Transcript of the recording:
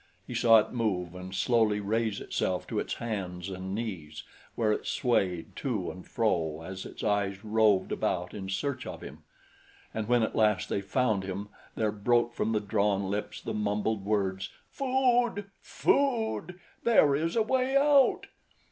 He saw it move and slowly raise itself to its hands and knees, where it swayed to and fro as its eyes roved about in search of him; and when at last they found him, there broke from the drawn lips the mumbled words: "Food! Food! There is a way out!"